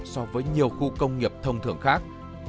so với nhiều khu công nghiệp thông thường khác